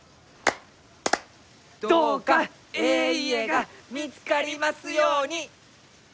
どうかえい家が見つかりますように！